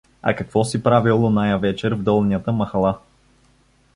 А какво си правил оная вечер в Долнята махала?